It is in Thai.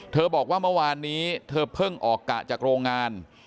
บอกว่าเมื่อวานนี้เธอเพิ่งออกกะจากโรงงาน